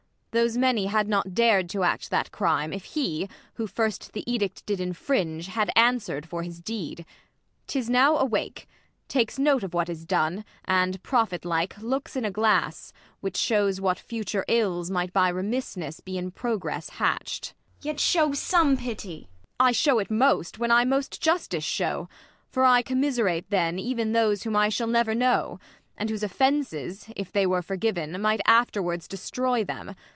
Those many had not dar'd to act that crime, If he, who first the edict did infringe, Had answer'd for his deed. Tis now awake ; Takes note of what is done, and, prophet like. Looks in a glass, which shows what future ills Miglit by remissness be in progress hatcht. ISAB. Yet show some pity ! Ang. I show it most when I most justice sliow, For I commiserate then even thase whom I Shall never know ; and whose offences, if They were forgiven, might afterwards destroy them.